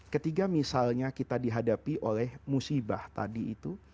ketika misalnya kita dihadapi oleh musibah tadi itu